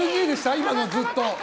今の、ずっと。